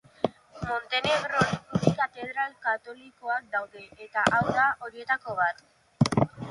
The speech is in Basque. Montenegron bi katedral katolikoak daude eta hau da horietako bat.